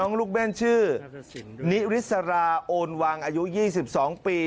นี่ฤิษราโอนวังอายุ๒๒ปี